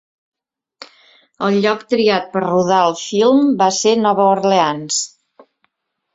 El lloc triat per rodar el film va ser Nova Orleans.